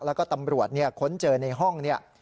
แล้วก็ตำรวจค้นเจอในห้องเนี่ย